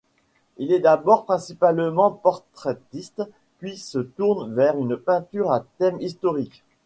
Il est d'abord principalement portraitiste, puis se tourne vers une peinture à thèmes historiques.